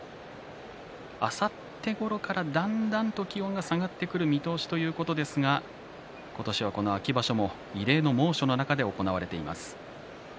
あさってごろからだんだんと気温が下がってくる見通しということですが今年はこの秋場所も異例の猛暑の中で行われています。